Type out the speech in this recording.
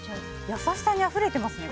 優しさにあふれてますね